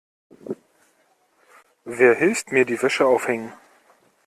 Wer hilft mir die Wäsche aufhängen?